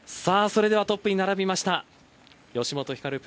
それでは、トップに並びました吉本ひかる